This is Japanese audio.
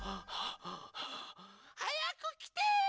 はやくきて！